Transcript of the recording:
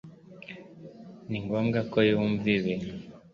Ni ngombwa ko yumva ibi